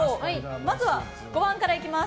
まずは５番からいきます。